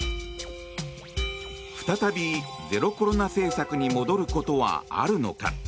再び、ゼロコロナ政策に戻ることはあるのか。